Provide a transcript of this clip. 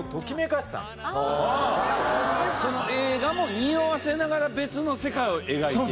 その映画もにおわせながら別の世界を描いていく。